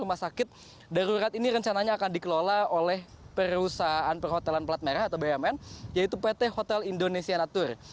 rumah sakit darurat ini rencananya akan dikelola oleh perusahaan perhotelan pelat merah atau bumn yaitu pt hotel indonesia natur